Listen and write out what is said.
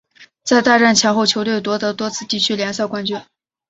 在大战前后球队夺得多次地区联赛冠军。